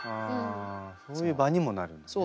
あそういう場にもなるんですね。